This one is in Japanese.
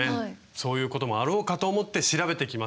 そういうこともあろうかと思って調べてきました。